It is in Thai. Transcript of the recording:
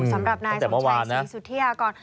สำหรับนายสมชัยซีสุเทียก่อน